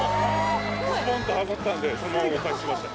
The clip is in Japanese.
ポンとハマったんでそのままお返ししました。